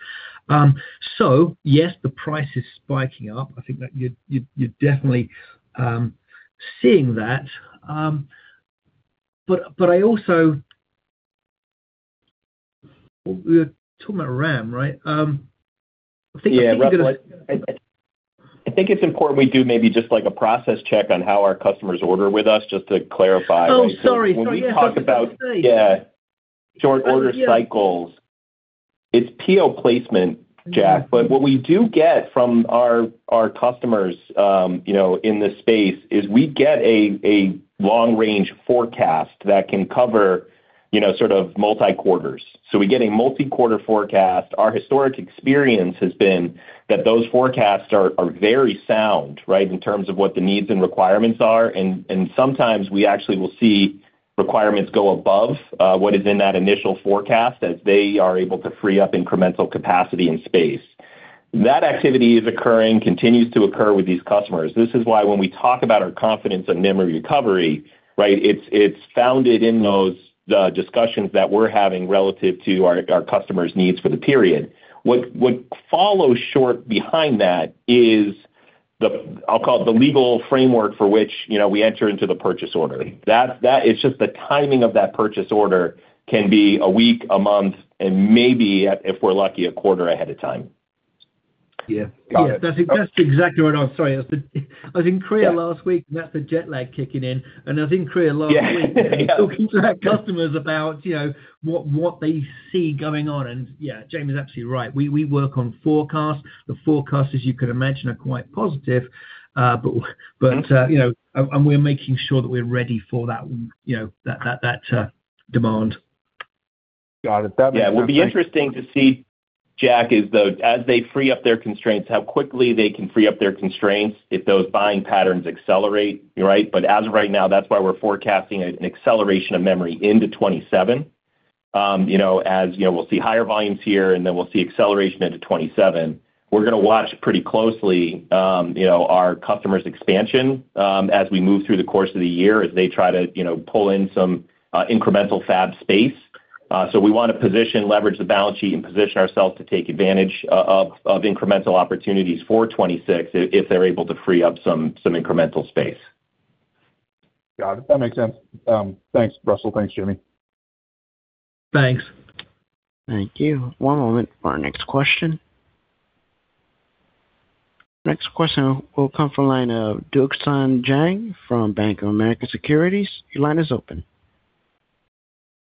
So yes, the price is spiking up. I think that you're definitely seeing that. But I also, we're talking about RAM, right? Yeah, I think it's important we do maybe just like a process check on how our customers order with us, just to clarify. Oh, sorry. When we talk about, yeah, short order cycles, it's PO placement, Jack. But what we do get from our customers, you know, in this space, is we get a long-range forecast that can cover, you know, sort of multi quarters. So we get a multi-quarter forecast. Our historic experience has been that those forecasts are very sound, right, in terms of what the needs and requirements are. And sometimes we actually will see requirements go above what is in that initial forecast as they are able to free up incremental capacity and space. That activity is occurring, continues to occur with these customers. This is why when we talk about our confidence in memory recovery, right, it's founded in those discussions that we're having relative to our customers' needs for the period. What follows short behind that is the, I'll call it the legal framework for which, you know, we enter into the purchase order. That is just the timing of that purchase order can be a week, a month, and maybe, if we're lucky, a quarter ahead of time. Yeah. Got it. That's exactly what I, sorry. I was in Korea last week, and that's the jet lag kicking in. And I was in Korea last week talking to our customers about, you know, what they see going on. And yeah, Jamie is absolutely right. We work on forecasts. The forecasts, as you can imagine, are quite positive. But we're making sure that we're ready for that, you know, that demand. Got it. Yeah. It'll be interesting to see, Jack, as they free up their constraints, how quickly they can free up their constraints if those buying patterns accelerate, right? But as of right now, that's why we're forecasting an acceleration of memory into 2027. You know, as you know, we'll see higher volumes here, and then we'll see acceleration into 2027. We're going to watch pretty closely, you know, our customers' expansion, as we move through the course of the year as they try to, you know, pull in some incremental fab space. So we want to position, leverage the balance sheet and position ourselves to take advantage of incremental opportunities for 2026 if they're able to free up some incremental space. Got it. That makes sense. Thanks, Russell. Thanks, Jamie. Thanks. Thank you. One moment for our next question. Next question will come from the line of Duksan Jang from Bank of America Securities. Your line is open.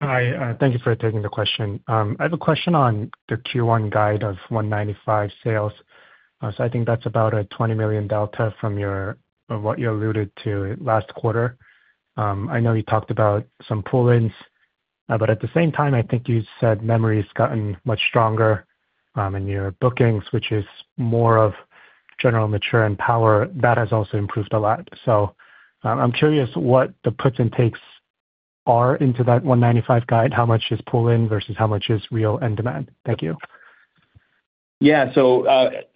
Hi, thank you for taking the question. I have a question on the Q1 guide of $195 million sales. I think that's about a $20 million delta from your, from what you alluded to last quarter. I know you talked about some pull-ins, but at the same time, I think you said memory's gotten much stronger, in your bookings, which is more of general mature and power. That has also improved a lot. I'm curious what the puts and takes are into that $195 million guide. How much is pull-in versus how much is real end demand? Thank you. Yeah. So,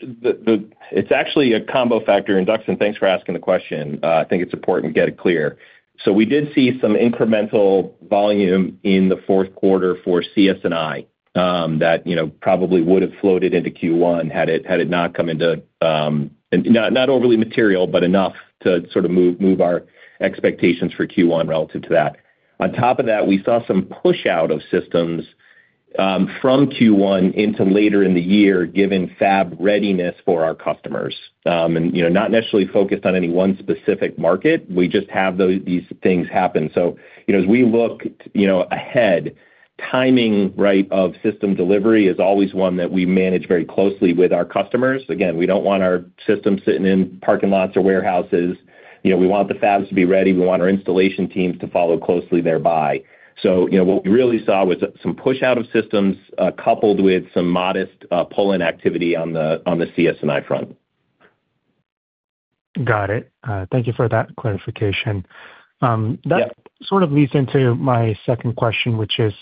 the—it's actually a combo factor, and Duksan, thanks for asking the question. I think it's important to get it clear. So we did see some incremental volume in the fourth quarter for CS&I, that, you know, probably would have floated into Q1 had it, had it not come into, not, not overly material, but enough to sort of move, move our expectations for Q1 relative to that. On top of that, we saw some pushout of systems, from Q1 into later in the year, given fab readiness for our customers. And, you know, not necessarily focused on any one specific market. We just have those, these things happen. So, you know, as we look, you know, ahead, timing, right, of system delivery is always one that we manage very closely with our customers. Again, we don't want our systems sitting in parking lots or warehouses. You know, we want the fabs to be ready. We want our installation teams to follow closely thereby. So, you know, what we really saw was some pushout of systems, coupled with some modest, pull-in activity on the CS&I front. Got it. Thank you for that clarification. Yeah. That sort of leads into my second question, which is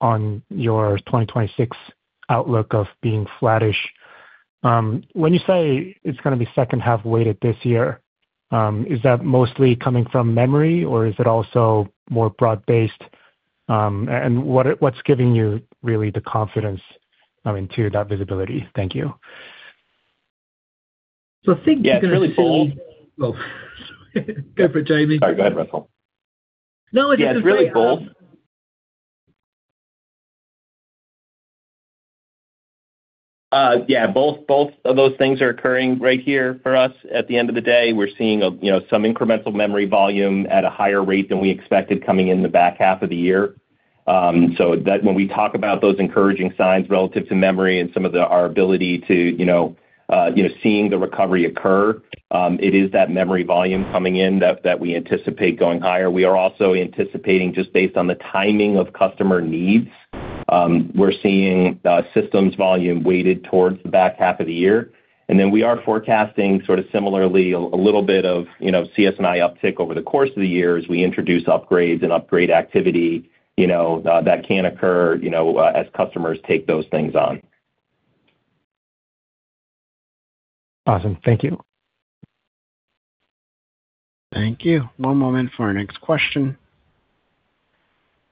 on your 2026 outlook of being flattish. When you say it's gonna be second half-weighted this year, is that mostly coming from memory, or is it also more broad-based? And what, what's giving you really the confidence, I mean, to that visibility? Thank you. I think it's really bold. Well, go for it, Jamie. Sorry, go ahead, Russell. No, it is really bold. Yeah, both, both of those things are occurring right here for us at the end of the day. We're seeing, you know, some incremental memory volume at a higher rate than we expected coming in the back half of the year. So that when we talk about those encouraging signs relative to memory and some of the, our ability to, you know, you know, seeing the recovery occur, it is that memory volume coming in that, that we anticipate going higher. We are also anticipating, just based on the timing of customer needs, we're seeing, systems volume weighted towards the back half of the year. Then we are forecasting sort of similarly a little bit of, you know, CS&I uptick over the course of the year as we introduce upgrades and upgrade activity, you know, that can occur, you know, as customers take those things on. Awesome. Thank you. Thank you. One moment for our next question.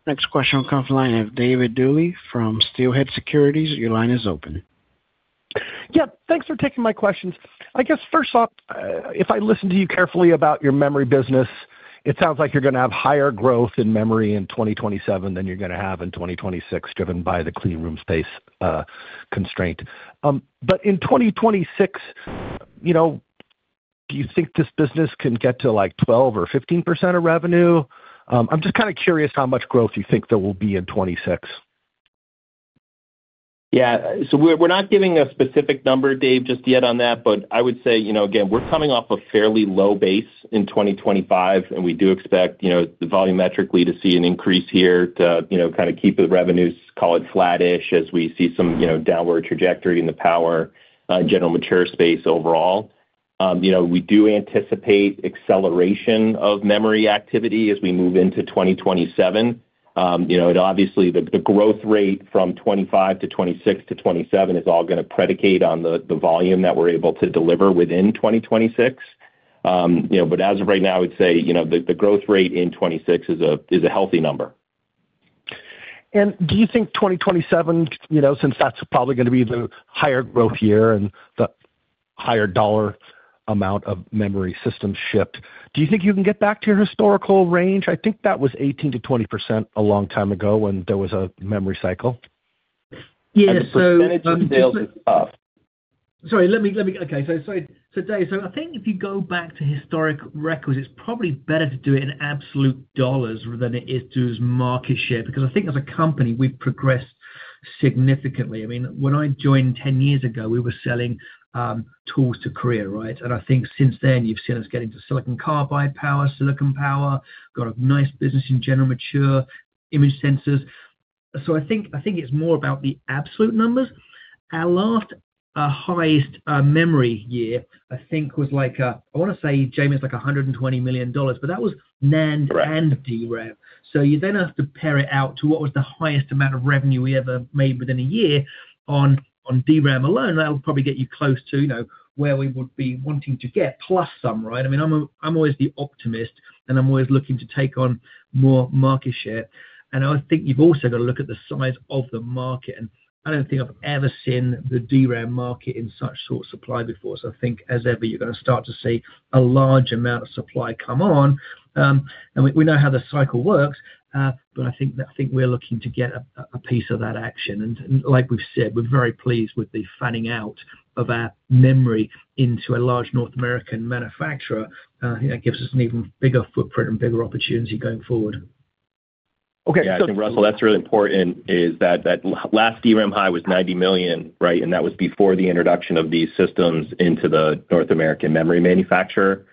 Next question will come from the line of David Duley from Steelhead Securities. Your line is open. Yeah, thanks for taking my questions. I guess, first off, if I listen to you carefully about your memory business, it sounds like you're gonna have higher growth in memory in 2027 than you're gonna have in 2026, driven by the cleanroom space constraint. But in 2026, you know, do you think this business can get to, like, 12% or 15% of revenue? I'm just kind of curious how much growth you think there will be in 2026. Yeah. So we're, we're not giving a specific number, Dave, just yet on that, but I would say, you know, again, we're coming off a fairly low base in 2025, and we do expect, you know, volumetrically to see an increase here to, you know, kind of keep the revenues, call it flattish, as we see some, you know, downward trajectory in the power, general mature space overall. You know, we do anticipate acceleration of memory activity as we move into 2027. You know, obviously, the, the growth rate from 2025 to 2026 to 2027 is all gonna predicate on the, the volume that we're able to deliver within 2026. You know, but as of right now, I would say, you know, the, the growth rate in 2026 is a, is a healthy number. Do you think 2027, you know, since that's probably gonna be the higher growth year and the higher dollar amount of memory systems shipped, do you think you can get back to your historical range? I think that was 18%-20% a long time ago when there was a memory cycle. Yeah, so... Percentage of sales is up. Sorry, let me, okay, so Dave, I think if you go back to historic records, it's probably better to do it in absolute dollars than it is to do as market share, because I think as a company, we've progressed significantly. I mean, when I joined 10 years ago, we were selling tools to Korea, right? And I think since then, you've seen us get into silicon carbide power, silicon power, got a nice business in general mature image sensors. So I think it's more about the absolute numbers. Our last highest memory year, I think was like, I want to say, Jamie, it's like $120 million, but that was NAND and DRAM. So you then have to pare it out to what was the highest amount of revenue we ever made within a year on DRAM alone. That'll probably get you close to, you know, where we would be wanting to get, plus some, right? I mean, I'm always the optimist, and I'm always looking to take on more market share. And I think you've also got to look at the size of the market, and I don't think I've ever seen the DRAM market in such short supply before. So I think, as ever, you're gonna start to see a large amount of supply come on. And we know how the cycle works, but I think we're looking to get a piece of that action. Like we've said, we're very pleased with the fanning out of our memory into a large North American manufacturer. That gives us an even bigger footprint and bigger opportunity going forward. Okay, I think, Russell, that's really important, is that, that last DRAM high was $90 million, right? And that was before the introduction of these systems into the North American memory manufacturer.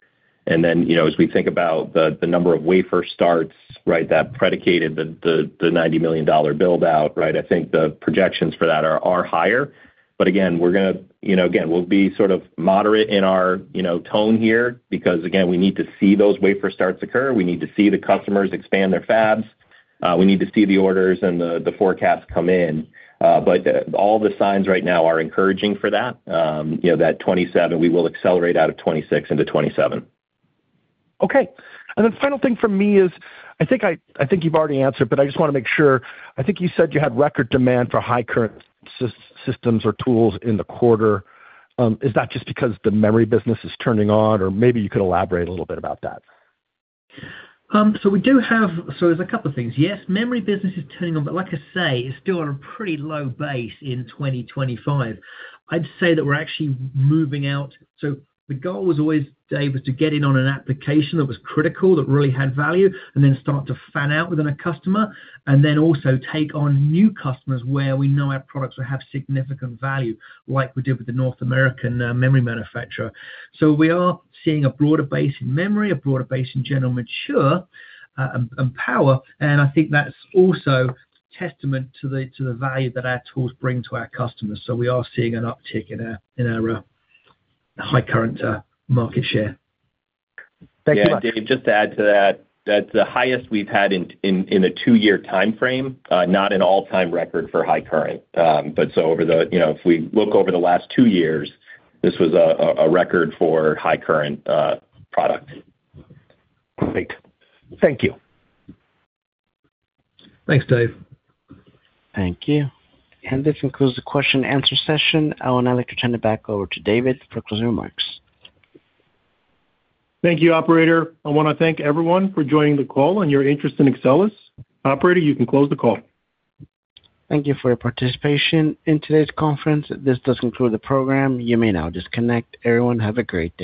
And then, you know, as we think about the number of wafer starts, right, that predicated the $90 million build-out, right? I think the projections for that are higher. But again, we're gonna, you know, again, we'll be sort of moderate in our, you know, tone here, because again, we need to see those wafer starts occur. We need to see the customers expand their fabs. We need to see the orders and the forecasts come in. But all the signs right now are encouraging for that. You know, 2027, we will accelerate out of 2026 into 2027. Okay. And then final thing for me is, I think you've already answered, but I just wanna make sure. I think you said you had record demand for high current systems or tools in the quarter. Is that just because the memory business is turning on? Or maybe you could elaborate a little bit about that. So there's a couple of things. Yes, memory business is turning on, but like I say, it's still on a pretty low base in 2025. I'd say that we're actually moving out. So the goal was always, Dave, was to get in on an application that was critical, that really had value, and then start to fan out within a customer, and then also take on new customers where we know our products will have significant value, like we did with the North American, memory manufacturer. So we are seeing a broader base in memory, a broader base in general, mature, and, and power, and I think that's also testament to the, to the value that our tools bring to our customers. So we are seeing an uptick in our, in our, high current, market share. Thank you. Yeah, Dave, just to add to that, that's the highest we've had in a two-year timeframe, not an all-time record for high current. But so over the, you know, if we look over the last two years, this was a record for high current product. Great. Thank you. Thanks, Dave. Thank you. This concludes the question and answer session. I would now like to turn it back over to David for closing remarks. Thank you, operator. I wanna thank everyone for joining the call and your interest in Axcelis. Operator, you can close the call. Thank you for your participation in today's conference. This does conclude the program. You may now disconnect. Everyone, have a great day.